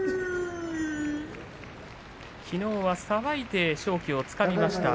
きのうは、さばいて勝機をつかみました。